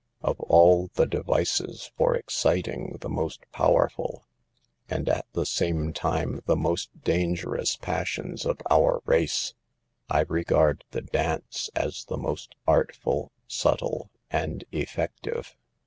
Of all the devices for exciting the most powerful, and* at the CAUSES OF THE SOCIAL EVIL 49 same time the most dangerous, passions of our race, I regard the dance as the most artful, subtle, and effective.